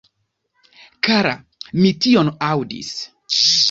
Kara, mi tion aŭdis.